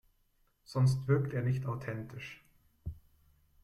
Sonst wirkt er nicht authentisch.